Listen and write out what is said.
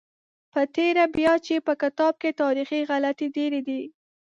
په تېره بیا چې په کتاب کې تاریخي غلطۍ ډېرې دي.